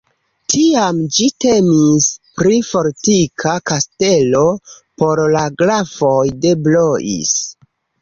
Tiam ĝi temis pri fortika kastelo por la grafoj de Blois.